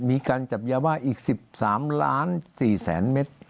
มีการจับยาบ้าอีก๑๓ล้าน๔แสนเมตร